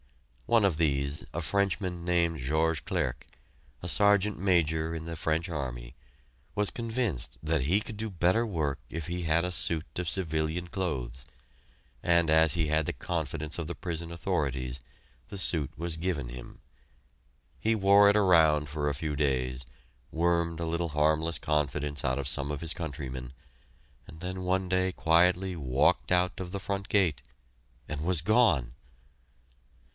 One of these, a Frenchman named George Clerque, a Sergeant Major in the French Army, was convinced that he could do better work if he had a suit of civilian clothes; and as he had the confidence of the prison authorities, the suit was given him. He wore it around for a few days, wormed a little harmless confidence out of some of his countrymen, and then one day quietly walked out of the front gate and was gone!